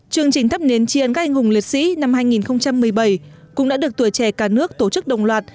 chương trình thắp nến tri ân các anh hùng liệt sĩ năm hai nghìn một mươi bảy cũng đã được tuổi trẻ cả nước tổ chức đồng loạt